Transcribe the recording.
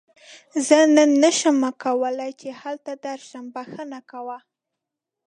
زه نن نشم کولی چې هلته درشم، بښنه کوه.